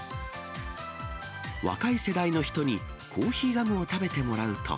若い世代の人にコーヒーガムを食べてもらうと。